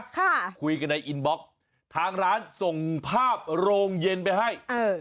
ค่ะคุยกันในอินบล็อกทางร้านส่งภาพโรงเย็นไปให้เออ